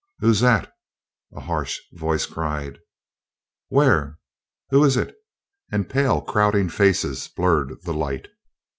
"Who's that?" a harsh voice cried. "Where?" "Who is it?" and pale crowding faces blurred the light.